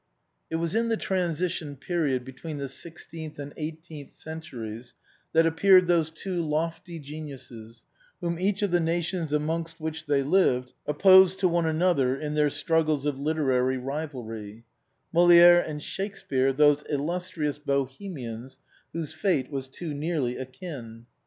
It was in the transition period between the sixteenth and the eighteenth centuries that appeared those two lofty geniuses, whom each of the nations amongst which they lived oppose to one another in their struggles of literary rivalry, Molière and Shakespeare, those illustrious Bohe mians, whose fate was too nearly akin.